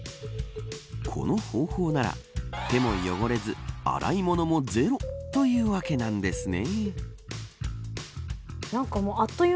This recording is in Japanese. この方法なら、手も汚れず洗い物もゼロというわけなんですね。